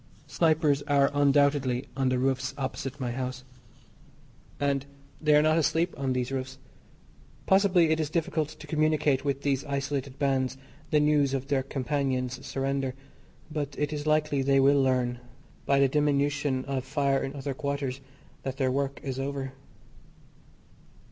Snipers are undoubtedly on the roofs opposite my house, and they are not asleep on these roofs. Possibly it is difficult to communicate with these isolated bands the news of their companions' surrender, but it is likely they will learn, by the diminution of fire in other quarters that their work is over.